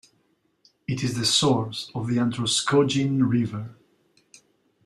It is the source of the Androscoggin River.